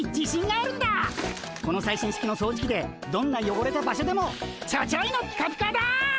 この最新式の掃除機でどんなよごれた場所でもちょちょいのピカピカだ！